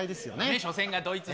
初戦がドイツ戦。